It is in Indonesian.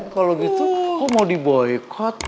kalau gitu kok mau diboykot